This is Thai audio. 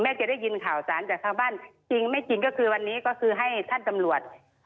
จะได้ยินข่าวสารจากทางบ้านจริงไม่จริงก็คือวันนี้ก็คือให้ท่านตำรวจ